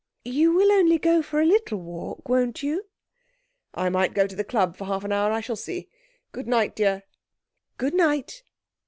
'You will only go for a little walk, won't you?' 'I might go to the club for half an hour. I shall see. Good night, dear.' 'Good night.'